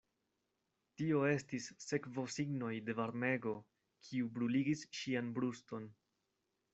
Tio estis sekvosignoj de varmego, kiu bruligis ŝian bruston.